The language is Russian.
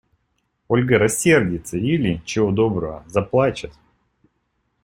Ольга рассердится или, чего доброго, заплачет.